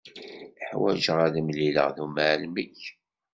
Ḥwaǧeɣ ad mlileɣ d umɛellem-ik.